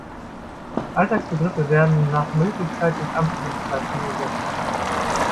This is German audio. Alltagsbegriffe werden nach Möglichkeit durch amtliche Bezeichnungen ersetzt.